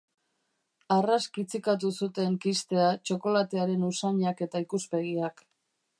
Arras kitzikatu zuten kistea txokolatearen usainak eta ikuspegiak.